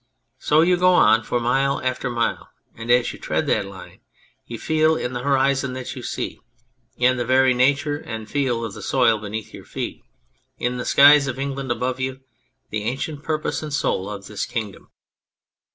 So you go on mile after mile, and as you tread that line you feel in the horizons that you see, in the very nature and feel of the soil beneath your feet, in the skies of England above you, the ancient purpose and soul of this kingdom.